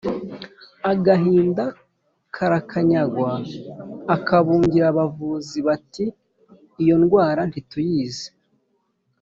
agahinda karakanyagwa, ukabungira abavuzi bati : “iyo ndwara ntituyizi”